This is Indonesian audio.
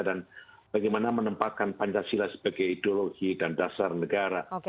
dan bagaimana menempatkan pancasila sebagai ideologi dan dasar negara